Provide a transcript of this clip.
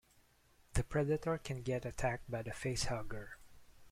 The Predator can get attacked by the Facehugger.